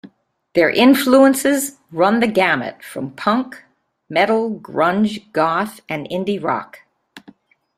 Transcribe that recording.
Their influences run the gamut from punk, metal, grunge, goth, and indie rock.